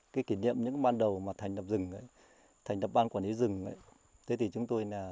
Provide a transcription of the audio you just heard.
cái kỷ niệm những ban đầu mà thành đập rừng thành đập ban quản lý rừng